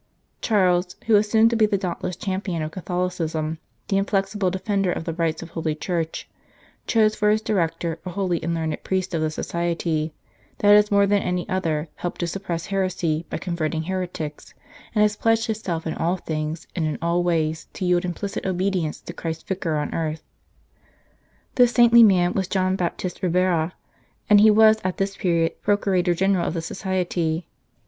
Charles, who was soon to be the dauntless champion of Catholicism, the inflexible defender of the rights of Holy Church, chose for his director a holy and learned priest of the Society that has more than any other helped to suppress heresy by converting heretics, and has pledged itself in all things and in all ways to yield implicit obedience to Christ s Vicar on earth. 24 Death of Count Frederick This saintly man was John Baptist Ribera, and he was at this period Procurator General of the Society.